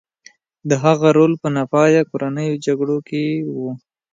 د هغه رول په ناپایه کورنیو جګړو کې و.